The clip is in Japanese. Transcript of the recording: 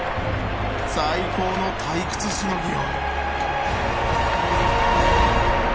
最高の退屈しのぎを。